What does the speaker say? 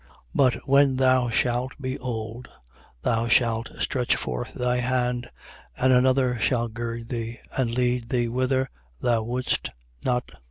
But when thou shalt be old, thou shalt stretch forth thy hands, and another shall gird thee and lead thee whither thou wouldst not.